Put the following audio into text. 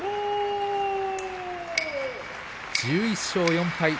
１１勝４敗。